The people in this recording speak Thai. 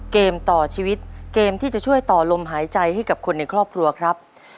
เกมต่อชีวิตเกมที่จะช่วยต่อลมหายใจให้กับคนในครอบครัวครับ